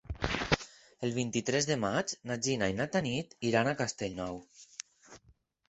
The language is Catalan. El vint-i-tres de maig na Gina i na Tanit iran a Castellnou.